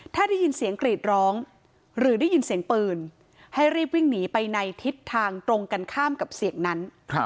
ถ้าได้ยินเสียงกรีดร้องหรือได้ยินเสียงปืนให้รีบวิ่งหนีไปในทิศทางตรงกันข้ามกับเสียงนั้น